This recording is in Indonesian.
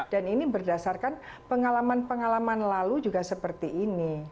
dan ini berdasarkan pengalaman pengalaman lalu juga seperti ini